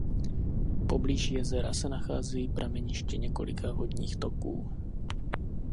Poblíž jezera se nacházejí prameniště několika vodních toků.